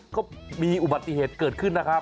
ก็มีอุบัติเหตุเกิดขึ้นนะครับ